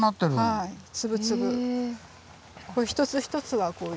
はい。